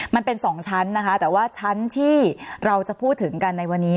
มันเป็น๒ชั้นนะคะแต่ว่าชั้นที่เราจะพูดถึงกันในวันนี้